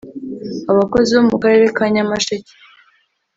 Abakozi bo mu karere ka Nyamasheke